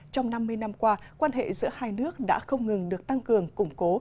trong năm mươi năm qua quan hệ giữa hai nước đã không ngừng được tăng cường củng cố